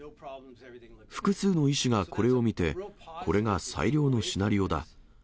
複数の医師がこれを見て、これが最良のシナリオだ。